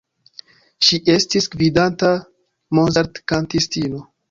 Ŝi estis gvidanta Mozart‑kantistino.